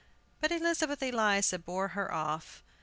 But Elizabeth Eliza bore her off.